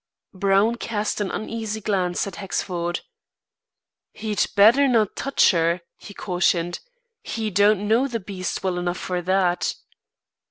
Brown cast an uneasy glance at Hexford. "He'd better not touch her," he cautioned. "He don't know the beast well enough for that."